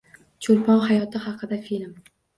Cho‘lpon hayoti haqida film